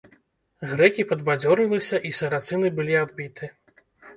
Грэкі падбадзёрыліся, і сарацыны былі адбіты.